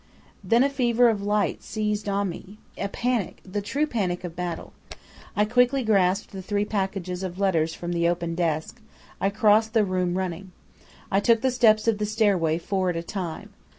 "Then a fever of flight seized on me, a panic, the true panic of battle. I quickly grasped the three packages of letters from the open desk; I crossed the room running, I took the steps of the stairway four at a time.